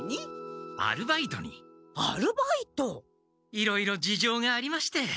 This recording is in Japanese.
いろいろ事情がありまして。